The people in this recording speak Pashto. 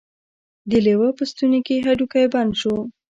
د لیوه په ستوني کې هډوکی بند شو.